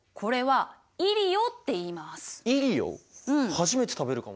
初めて食べるかも。